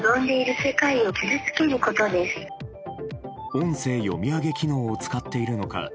音声読み上げ機能を使っているのか